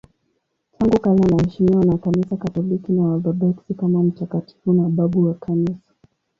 Tangu kale anaheshimiwa na Kanisa Katoliki na Waorthodoksi kama mtakatifu na babu wa Kanisa.